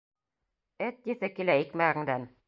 — Эт еҫе килә икмәгеңдән.